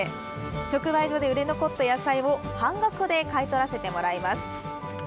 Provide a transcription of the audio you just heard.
直売所で売れ残った野菜を半額で買い取らせてもらいます。